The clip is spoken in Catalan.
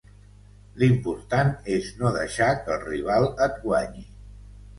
L'important és no deixar que el rival et guanyi.